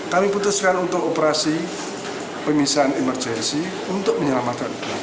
kami putuskan untuk operasi pemisahan emergensi untuk menyelamatkan